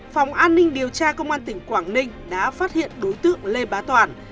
phòng an ninh điều tra công an tỉnh quảng ninh đã phát hiện đối tượng lê bá toàn